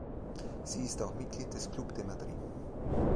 Sie ist auch Mitglied des Club de Madrid.